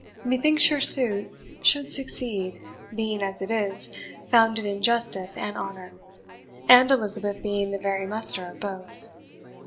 Methinks your suit should succeed, being, as it is, founded in justice and honour, and Elizabeth being the very muster of both.